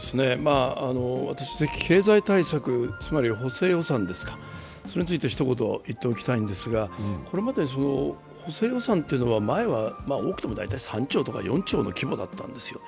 経済対策、つまり補正予算についてひと言言っておきたいんですが、これまで補正予算というのは、前は多くても３兆や４兆の規模だったんですよね。